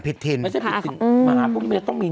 ผิดทินนะผิดทิน